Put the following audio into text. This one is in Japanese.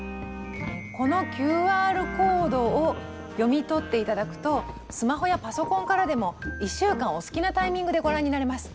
このＱＲコードを読み取って頂くとスマホやパソコンからでも１週間お好きなタイミングでご覧になれます。